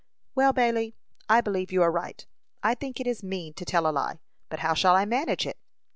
"Well, Bailey, I believe you are right. I think it is mean to tell a lie; but how shall I manage it?"